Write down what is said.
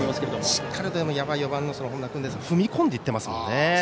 しっかりと４番の本田君、踏み込んでいっています。